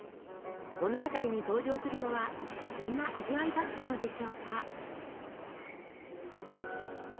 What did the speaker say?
物語に登場するのはそんな味わいだったのでしょうか。